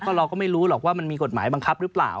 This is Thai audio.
เราก็ไม่รู้หรอกว่ามันมีกฎหมายบังคับหรือเปล่า